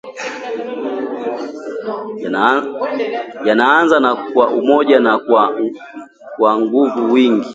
yanaanza na kwa umoja na n kwa wingi